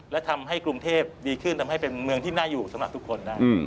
และทำให้กรุงเทพดีขึ้นทำให้เป็นเมืองที่น่าอยู่สำหรับทุกคนได้